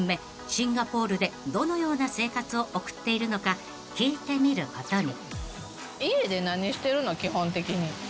［シンガポールでどのような生活を送っているのか聞いてみることに］